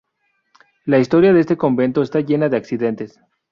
La historia de este convento está llena de accidentes.